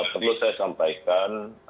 perlu saya sampaikan